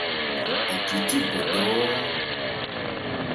Ɛ che thé bɔdɔ́ɔ́ɔ́.